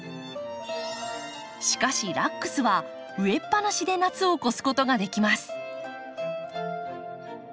しかしラックスは植えっぱなしで夏を越すことができます。